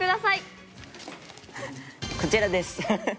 こちらです。